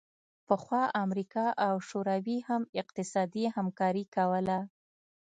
پخوا امریکا او شوروي هم اقتصادي همکاري کوله